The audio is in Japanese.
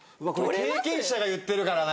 経験者が言ってるからね。